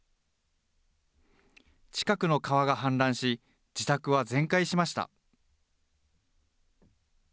近くの川が氾濫し、自宅は全壊しました。